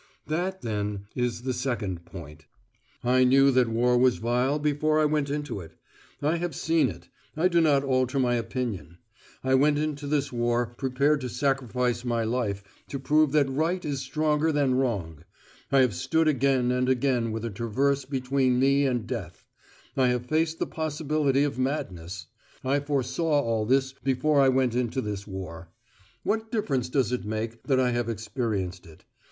That, then, is the second point. I knew that war was vile, before I went into it. I have seen it: I do not alter my opinion. I went into this war prepared to sacrifice my life to prove that right is stronger than wrong; I have stood again and again with a traverse between me and death; I have faced the possibility of madness. I foresaw all this before I went into this war. What difference does it make that I have experienced it?